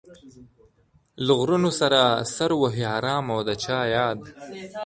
له غرونو سره سر وهي ارام او د چا ياد